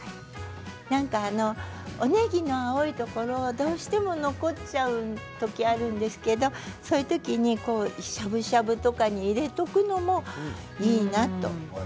なんか、おねぎが青いところどうしても残っちゃうときあるんですけれどそういうときにしゃぶしゃぶとかに入れておくのもいいなと。